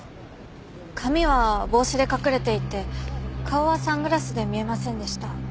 髪は帽子で隠れていて顔はサングラスで見えませんでした。